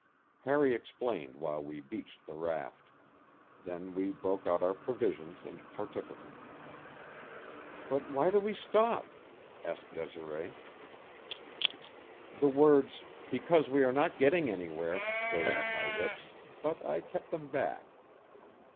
Harry explained while we beached the raft. Then we broke out our provisions and partook of them. "But why do we stop?" asked Desiree. The words "Because we are not getting anywhere" rose to my lips, but I kept them back.